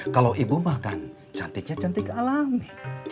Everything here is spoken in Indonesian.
kalau ibu makan cantiknya cantik alami